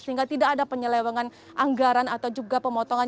sehingga tidak ada penyelewengan anggaran atau juga pemotongan